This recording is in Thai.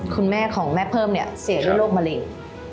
คุณแม่ของแม่เพิ่มเนี่ยเสียด้วยโรคมะเร็ง